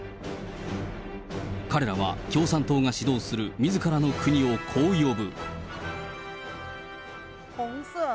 彼らは共産党が指導するみずからの国をこう呼ぶ。